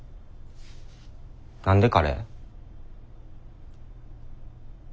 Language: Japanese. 何でカレー？